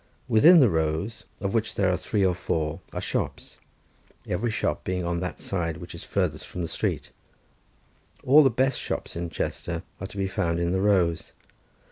Within the rows, of which there are three or four, are shops, every shop being on that side which is farthest from the street. All the best shops in Chester are to be found in the rows.